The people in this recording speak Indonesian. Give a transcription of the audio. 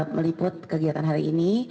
meliput kegiatan hari ini